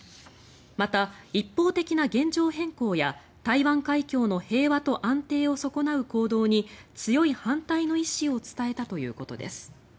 また一方的な現状変更や台湾海峡の平和と安定を損なう行動に強い反対の意思を伝えたということです。